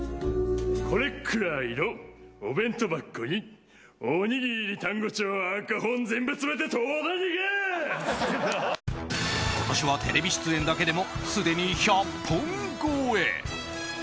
これくらいの、お弁当箱におにぎり、単語帳、赤本全部詰めて今年はテレビ出演だけでもすでに１００本超え！